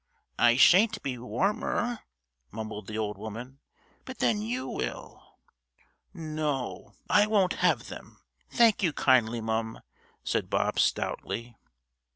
"I shan't be warmer," mumbled the old woman. "But then you will." "No, I won't have them, thank you kindly, mum," said Bob stoutly.